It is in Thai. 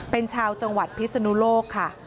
เป็นชาวจังหวัดพิศนุโลกค่ะ